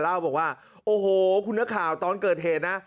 เล่าบอกว่าโอ้โหคุณนักข่าวตอนเกิดเหตุนะ